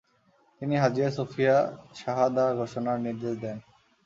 তিনি Hagia Sophia শাহাদাহ ঘোষণার নির্দেশ দেন।